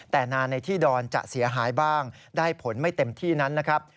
แต่นานในที่ดอนจะเสียหายบ้างได้ผลไม่เต็มที่นั้นนะครับ